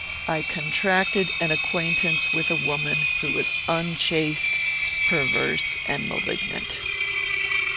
"I contracted an acquaintance with a woman who was unchaste, perverse, and malignant.